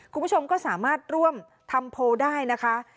คุณผู้ชมก็สามารถร่วมทำโพลได้นะคะ